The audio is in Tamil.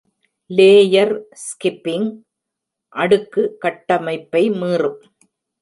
"லேயர் ஸ்கிப்பிங்" அடுக்கு கட்டமைப்பை மீறும்.